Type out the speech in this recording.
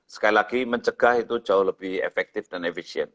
sekali lagi mencegah itu jauh lebih efektif dan efisien